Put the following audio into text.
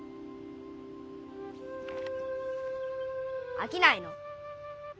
あきないの？